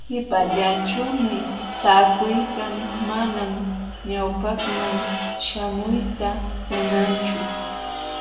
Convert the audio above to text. Qipallaćhuumi taakuykan, manam ñawpaqman śhamuyta munanchu.